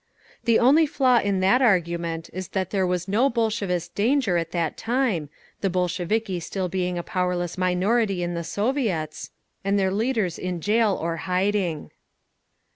The only flaw in that argument is that there was no "Bolshevist danger" at that time, the Bolsheviki still being a powerless minority in the Soviets, and their leaders in jail or hiding.